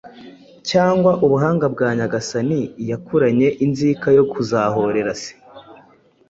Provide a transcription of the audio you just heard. cyangwa ubuhanga bwa Nyagasani, yakuranye inzika yo kuzahorera se.